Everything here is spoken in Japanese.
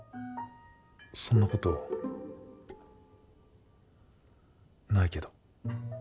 そんなことないけど。